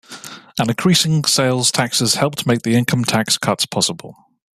And increasing sales taxes helped make the income tax cuts possible.